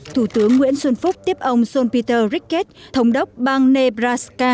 thủ tướng nguyễn xuân phúc tiếp ông john peter ricketts thống đốc bang nebraska